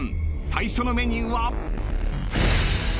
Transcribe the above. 最初のメニューは。